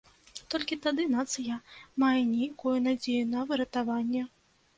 Толькі тады нацыя мае нейкую надзею на выратаванне.